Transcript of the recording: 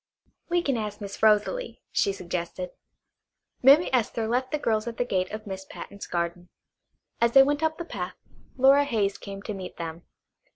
"We can ask Miss Rosalie," she suggested. Mammy Esther left the girls at the gate of Miss Patten's garden. As they went up the path Flora Hayes came to meet them.